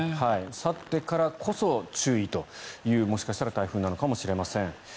去ってからこそ注意というもしかしたら台風なのかもしれません。